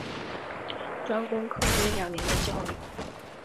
专攻科为两年的教育。